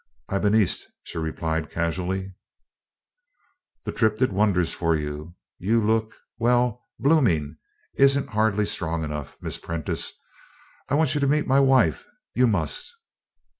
"I've been east," she replied, casually. "The trip's did wonders for you. You look well, bloomin' isn't hardly strong enough. Miss Prentice, I want you to meet my wife you must."